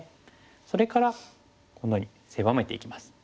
それからこのように狭めていきます。